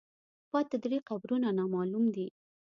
پاتې درې قبرونه نامعلوم دي.